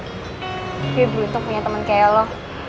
tapi belum tentu punya temen kayak lo